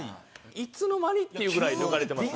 いつの間に？っていうぐらい抜かれてます。